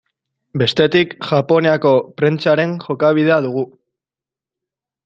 Bestetik, Japoniako prentsaren jokabidea dugu.